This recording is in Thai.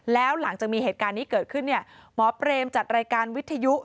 แล้วหลังจากมีเหตุการณ์นี้เกิดขึ้นเนี่ยหมอเปรมจัดรายการวิทยุ